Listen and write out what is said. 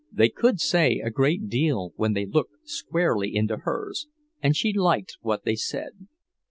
They could say a great deal when they looked squarely into hers, and she liked what they said.